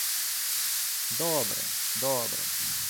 — Добре... Добре…